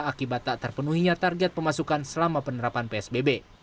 akibat tak terpenuhinya target pemasukan selama penerapan psbb